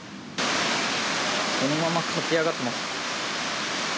そのまま駆け上がってます。